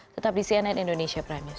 tetap di cnn indonesia prime news